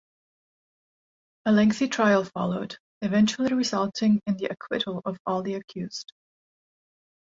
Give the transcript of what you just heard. A lengthy trial followed, eventually resulting in the acquittal of all the accused.